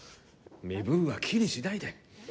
身分は気にしないで。